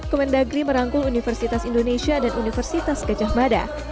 kemendagri merangkul universitas indonesia dan universitas gajah mada